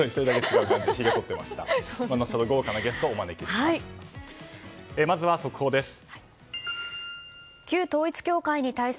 豪華なゲストをお招きします。